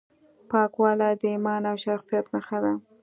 پاکوالی د ایمان او شخصیت نښه ده.